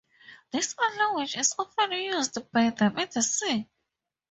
This old language is often used by them at sea.